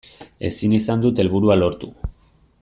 Ezin izan dut helburua lortu.